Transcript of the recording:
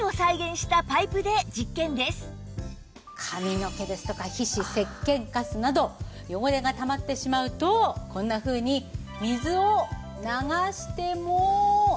髪の毛ですとか皮脂せっけんカスなど汚れがたまってしまうとこんなふうに水を流しても。